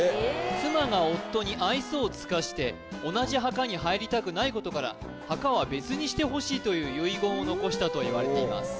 妻が夫に愛想を尽かして同じ墓に入りたくないことから「墓は別にしてほしい」という遺言を残したといわれています